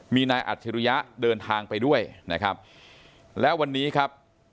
มีนายอัจฉริยะเดินทางไปด้วยนะครับแล้ววันนี้ครับ